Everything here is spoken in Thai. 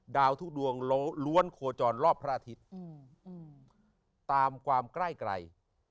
ดาวทุกดวงรวชโฆจรรย์รอบพระอาทิตย์ตามความใกล้ไกร